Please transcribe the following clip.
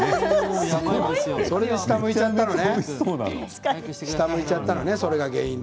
それで下、向いちゃったのね。